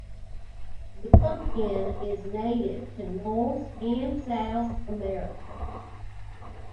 The pumpkin is native to North and South America.